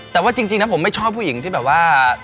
แต่ว่าจริงนะผมไม่ชอบผู้หญิงที่แบบว่า